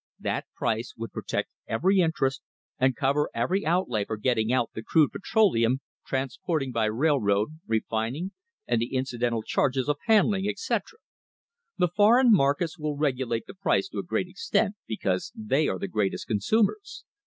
That price would protect every interest and cover every outlay for getting out the crude petroleum, transporting by railroad, refining and the incidental charges of handling, etc. The foreign markets will regulate the price to a great extent, because they are the greatest consumers.